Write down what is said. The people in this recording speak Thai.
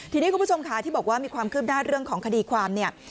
ทีนี้คุณผู้ชมค่ะที่บอกว่ามีความคืบหน้าเรื่องของคดีความเนี่ย